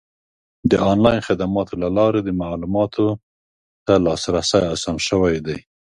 د آنلاین خدماتو له لارې د معلوماتو ته لاسرسی اسان شوی دی.